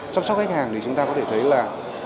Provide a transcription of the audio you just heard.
chăm sóc khách hàng thì chúng ta có thể thấy là